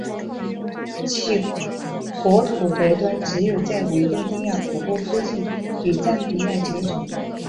其国土北端只有在维多利亚瀑布附近与赞比亚接触。